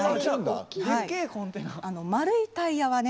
丸いタイヤはね